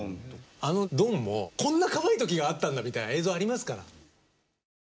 あのドンもこんなかわいい時があったんだみたいな映像ありますから。